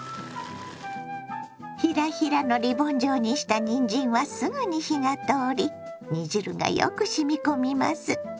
ヒラヒラのリボン状にしたにんじんはすぐに火が通り煮汁がよくしみ込みます。